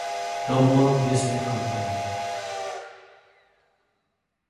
The Walt Disney Company.